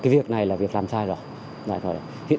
cái việc này là việc làm sai rồi